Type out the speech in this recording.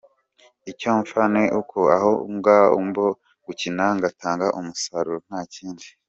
Icyo mpfa ni uko aho ngomba gukina ngatanga umusaruro nta kindi.